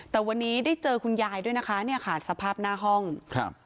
แต่วันนี้ได้เจอคุณยายด้วยนะคะเนี่ยค่ะสภาพหน้าห้องครับ